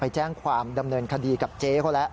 แจ้งความดำเนินคดีกับเจ๊เขาแล้ว